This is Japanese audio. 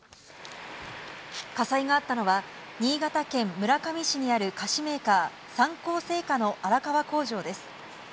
火災があったのは、新潟県村上市にある菓子メーカー、三幸製菓の荒川工場です。